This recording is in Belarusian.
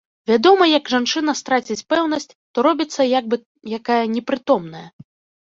Вядома, як жанчына страціць пэўнасць, то робіцца як бы якая непрытомная.